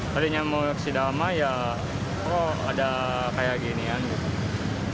tadinya mau si dama ya oh ada kayak ginian gitu